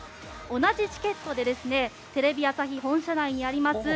同じチケットでテレビ朝日本社内にあります